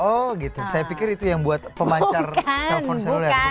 oh gitu saya pikir itu yang buat pemancar telepon seluler